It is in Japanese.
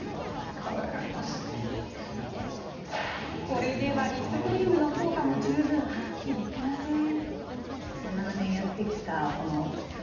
これではリップクリームの効果も十分、発揮できません。